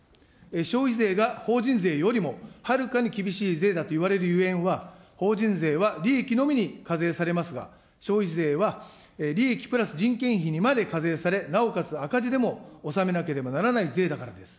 消費税が法人税よりも、はるかに厳しい税だといわれるゆえんは、法人税は利益のみに課税されますが、消費税は、利益プラス人件費にまで課税され、なおかつ赤字でも納めなければならない税だからです。